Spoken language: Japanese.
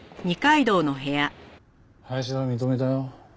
林田が認めたよ。